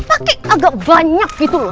pakai agak banyak gitu loh